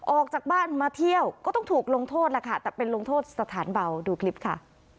ออกจากบ้านมาเที่ยวก็ต้องถูกลงโทษล่ะค่ะแต่เป็นลงโทษสถานเบาดูคลิปค่ะ